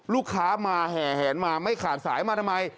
ลูกค้ามาแห่แหนมาไม่ขาดสายมาทำไม